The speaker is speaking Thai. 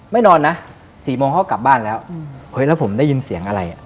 ไม่นอนนะ๔โมงเขากลับบ้านแล้วแล้วผมได้ยินเสียงอะไร